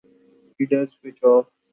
He does switch off.